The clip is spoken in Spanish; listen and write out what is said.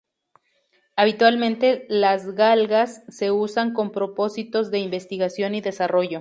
Habitualmente, las galgas se usan con propósitos de investigación y desarrollo.